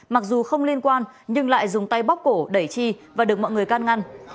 mặc dù không liên quan nhưng lại dùng tay bóc cổ đẩy chi và được mọi người can ngăn